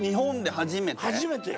初めてよ。